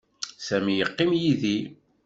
Sami yeqqim yid-i.